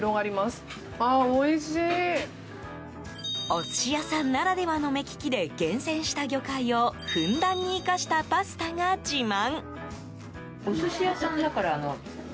お寿司屋さんならではの目利きで厳選した魚介をふんだんに生かしたパスタが自慢。